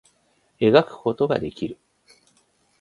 絵描くことができる